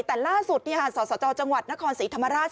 แต่ล่าสุดเนี่ยศาสตร์สตจังหวัดนครศรีธรรมราช